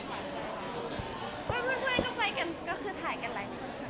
เห็นว่าเมื่อกี้ถ่ายไม่หวานใจ